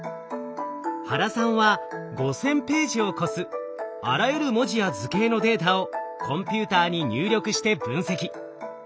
原さんは５，０００ページを超すあらゆる文字や図形のデータをコンピューターに入力して分析。